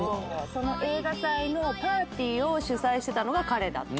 「その映画祭のパーティーを主催してたのが彼だった」